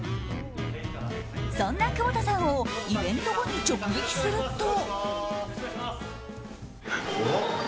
そんな久保田さんをイベント後に直撃すると。